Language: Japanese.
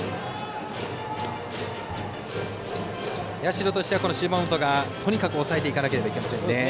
社としては、芝本がとにかく抑えていかなければいけませんね。